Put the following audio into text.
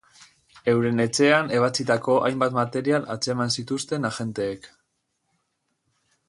Euren etxean ebatsitako hainbat material atzeman zituzten agenteek.